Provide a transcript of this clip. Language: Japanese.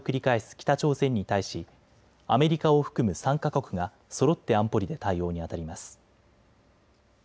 北朝鮮に対しアメリカを含む３か国がそろって安保理で対応にあたります。